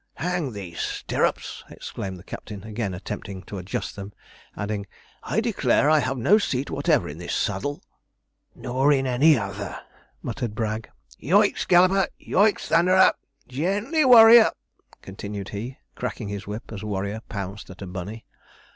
'Hang these stirrups!' exclaimed the captain, again attempting to adjust them; adding, 'I declare I have no seat whatever in this saddle.' 'Nor in any other,' muttered Bragg. 'Yo icks, Galloper! Yo icks, Thunderer! Ge e ntly, Warrior!' continued he, cracking his whip, as Warrior pounced at a bunny.